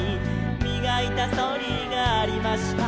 「みがいたそりがありました」